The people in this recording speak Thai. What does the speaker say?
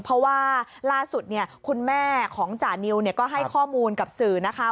เพราะว่าล่าสุดคุณแม่ของจานิวก็ให้ข้อมูลกับสื่อนะคะ